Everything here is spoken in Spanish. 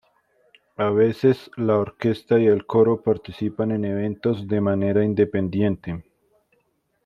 A veces, la orquesta y el coro participan en eventos de manera independiente.